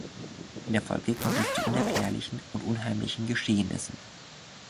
In der Folge kommt es zu unerklärlichen und unheimlichen Geschehnissen.